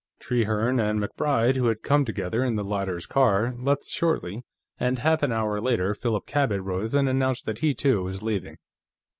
Trehearne and MacBride, who had come together in the latter's car, left shortly, and half an hour later, Philip Cabot rose and announced that he, too, was leaving.